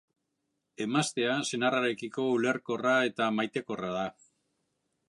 Emaztea senarrarekiko ulerkorra eta maitekorra da.